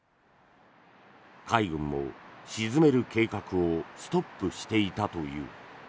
海軍も沈める計画をストップしていたという。